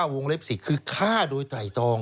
๒๘๙วงเล็ก๔คือฆ่าโดยไต่ตรอง